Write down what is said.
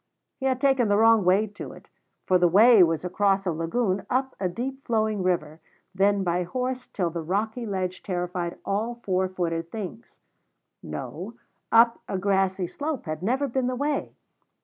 He had taken the wrong way to it, for the way was across a lagoon, up a deep flowing river, then by horse till the rocky ledge terrified all four footed things; no, up a grassy slope had never been the way.